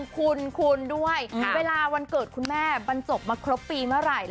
ขอบคุณคุณด้วยเวลาวันเกิดคุณแม่บรรจบมาครบปีเมื่อไหร่